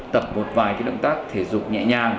tập một vài động tác thể dục nhẹ nhàng